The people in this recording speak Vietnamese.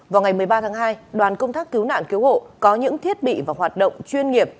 vào ngày một mươi ba tháng hai đoàn công tác cứu nạn cứu hộ có những thiết bị và hoạt động chuyên nghiệp